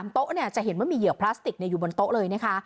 โต๊ะเนี่ยจะเห็นว่ามีเหยื่อพลาสติกอยู่บนโต๊ะเลยนะคะ